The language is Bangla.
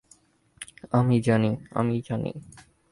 আমি জানি, আমি জানি।